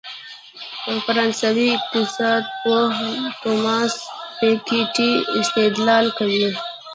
فرانسوي اقتصادپوه توماس پيکيټي استدلال کوي.